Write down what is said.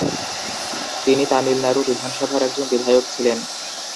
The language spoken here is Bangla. তিনি তামিলনাড়ু বিধানসভার একজন বিধায়ক ছিলেন।